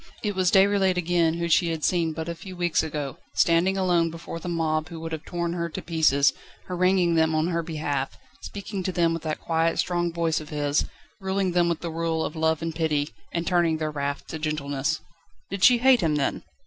It was Déroulède again whom she had seen but a few weeks ago, standing alone before the mob who would have torn her to pieces, haranguing them on her behalf, speaking to them with that quiet, strong voice of his, ruling them with the rule of love and pity, and turning their wrath to gentleness. Did she hate him, then?